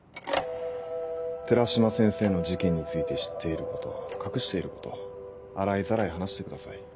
寺島先生の事件について知っていること隠していること洗いざらい話してください。